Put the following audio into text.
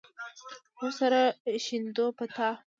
مونږ سر ښندو په تا